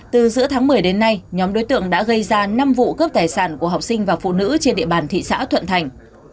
từ giữa tháng một mươi đến nay nhóm đối tượng đã gây ra năm vụ cướp tài sản của học sinh và phụ nữ trên địa bàn thị xã thuận thành